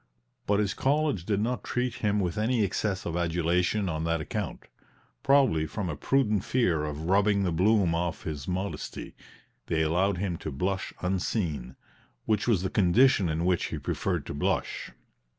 But his college did not treat him with any excess of adulation on that account, probably from a prudent fear of rubbing the bloom off his modesty; they allowed him to blush unseen which was the condition in which he preferred to blush.